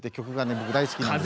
僕大好きなんです。